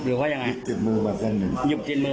พี่ยืดลายมาพอก็ถูกแล้วก็ถูกแล้วก็ถูก